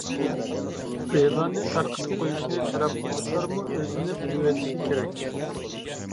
ئېلاننى تارقىتىپ قويۇشنى تەلەپ قىلغۇچىلارمۇ ئۆزىنى بىلىۋېلىشى كېرەك.